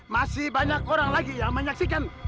masih banyak orang lagi yang menyaksikan